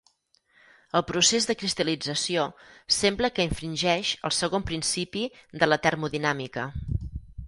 El procés de cristal·lització sembla que infringeix el segon principi de la termodinàmica.